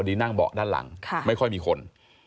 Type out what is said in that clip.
นั่งเบาะด้านหลังไม่ค่อยมีคน